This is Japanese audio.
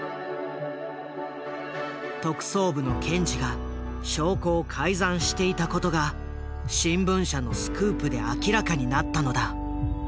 特捜部の検事が証拠を改ざんしていたことが新聞社のスクープで明らかになったのだ。